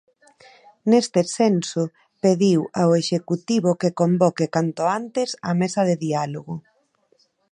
Neste senso, pediu ao Executivo que convoque canto antes a mesa de diálogo.